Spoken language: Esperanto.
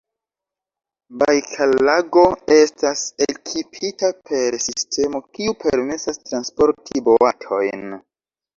Bajkallago estas ekipita per sistemo, kiu permesas transporti boatojn.